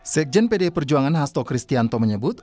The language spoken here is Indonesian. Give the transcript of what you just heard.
sekjen pdi perjuangan hasto kristianto menyebut